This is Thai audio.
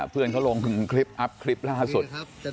เพื่อนเขาลงคลิปอัพล่าสุด